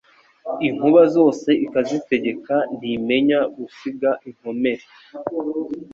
Inkuba zose ikazitegek Ntimenya gusiga inkomeri